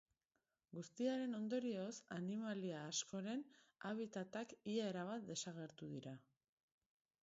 Guztiaren ondorioz, animalia askoren habitatak ia erabat desagertu dira.